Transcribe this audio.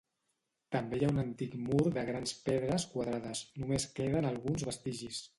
També hi ha un antic mur de grans pedres quadrades, només queden alguns vestigis.